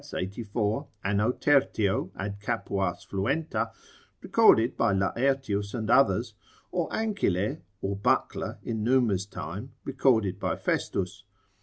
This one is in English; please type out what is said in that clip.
84, anno tertio, ad Capuas Fluenta, recorded by Laertius and others, or Ancile or buckler in Numa's time, recorded by Festus.